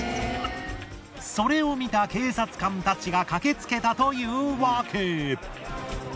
それを見た警察官たちが駆けつけたというわけ。